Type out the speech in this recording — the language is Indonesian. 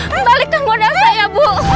balikkan kuda saya bu